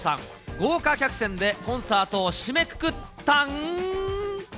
豪華客船でコンサートを締めくくったん。